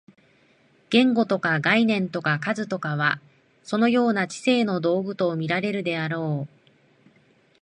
言語とか概念とか数とかは、そのような知性の道具と見られるであろう。